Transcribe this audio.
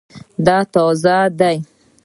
دا تازه دی